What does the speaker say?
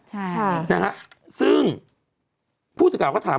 ใช่นะฮะซึ่งผู้สูตรกราวก็ถาม